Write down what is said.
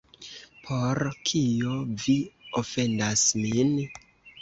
Por kio vi ofendas min?